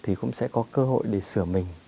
thì cũng sẽ có cơ hội để sửa mình